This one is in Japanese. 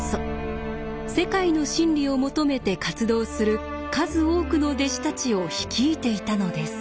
世界の真理を求めて活動する数多くの弟子たちを率いていたのです。